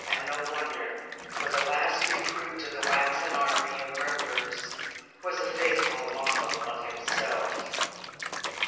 And no wonder, for the last recruit to the waxen army of murderers was a faithful model of himself.